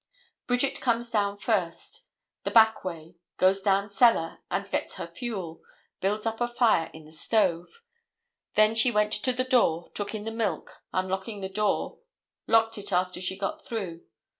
Bridget comes down stairs first, the back way, goes down cellar and gets her fuel, builds up a fire in the stove; then she went to the door, took in the milk, unlocking the door, locked it after she got through.